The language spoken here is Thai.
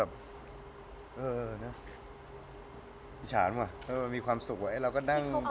อิฉาลค่ะมีความสุขไปไหนกันเป็นคู่